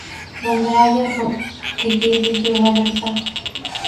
Donde haya error, que lleve yo la Verdad.